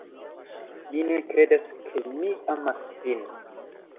Mi ne kredas ke mi amas vin.